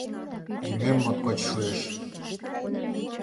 Йӱмем моткоч шуэш.